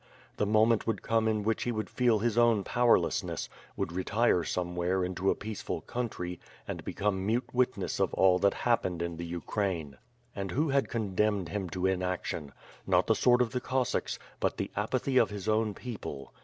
The moment would come in which he would feel his own poweriessness; would retire somewhere into a peaceful country, and become mute witness of all that happened in the Ukraine. And who had condemned him to inaction — not the sword of the Cossacks, but the apathy of his own people.